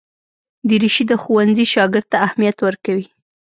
دریشي د ښوونځي شاګرد ته اهمیت ورکوي.